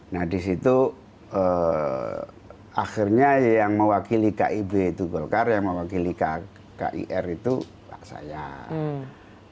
nah di situ akhirnya yang mewakili kib itu golkar yang mewakili kir itu pak sayang